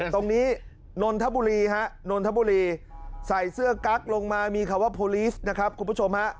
นนทบุรีฮะนนทบุรีใส่เสื้อกั๊กลงมามีคำว่าโพลีสนะครับคุณผู้ชมฮะ